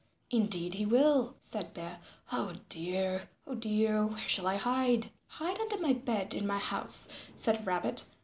"Indeed he will," said Bear. "Oh dear, oh dear, where shall I hide?" "Hide under my bed in my house," said Rabbit.